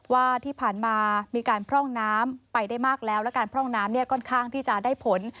ว่าที่ผ่านมามีการพร่องน้ำไปได้มากแล้วและการพร่องน้ำเนี่ยค่อนข้างที่จะได้ผล